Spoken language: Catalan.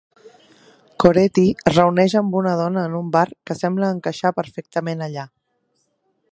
Coretti es reuneix amb una dona en un bar que sembla encaixar perfectament allà.